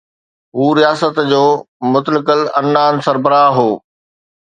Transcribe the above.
هو رياست جو مطلق العنان سربراهه هو.